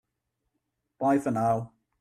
Bye for now!